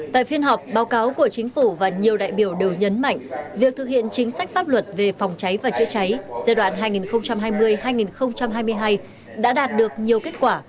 tại phiên họp báo cáo của chính phủ và nhiều đại biểu đều nhấn mạnh việc thực hiện chính sách pháp luật về phòng cháy và chữa cháy giai đoạn hai nghìn hai mươi hai nghìn hai mươi hai đã đạt được nhiều kết quả